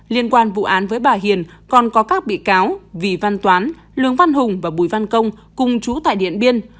liên quan vụ án với bà hiền còn có các bị cáo vì văn toán lương văn hùng và bùi văn công cùng chú tại điện biên